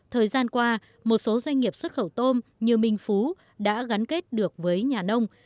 thời gian qua một số doanh nghiệp xuất khẩu tôm như minh phú đã gắn kết được với nhà nông